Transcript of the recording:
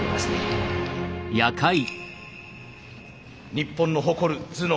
日本の誇る頭脳。